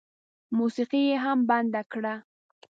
موسيقي یې هم بنده کړه.